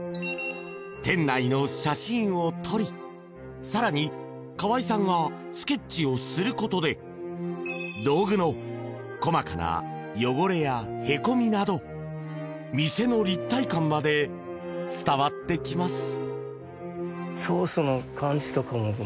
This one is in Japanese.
店内の写真を撮り、更に河合さんがスケッチをすることで道具の細かな汚れや、へこみなど店の立体感まで伝わってきます。